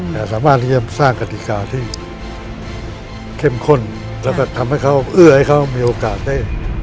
แต่สามารถที่จะสร้างกติกาที่เข้มข้นแล้วก็ทำให้เขาเอื้อให้เขามีโอกาสได้